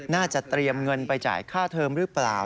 เตรียมเงินไปจ่ายค่าเทอมหรือเปล่า